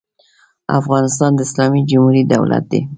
افغانستان د اسلامي جمهوري دولت دی.